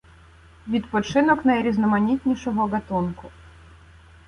Відпочинок найрізноманітнішого ґатунку